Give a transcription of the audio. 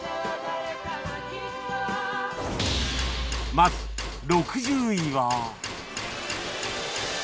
まず６０位は